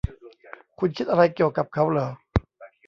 คุณคิดอะไรเกี่ยวกับเขาหรอ